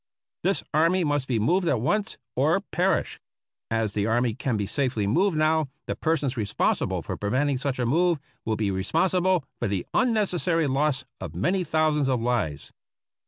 This army must be moved at once, or perish. As the army can be safely moved now, the persons responsible for preventing such a move will be responsible for the un necessary loss of many thousands of lives.